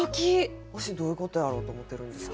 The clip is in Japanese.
わし「どういうことやろう？」と思ってるんですけど。